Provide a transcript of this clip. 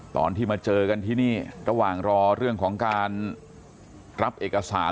ตอนที่มาเจอกันที่นี่ระหว่างรอเรื่องของการรับเอกสาร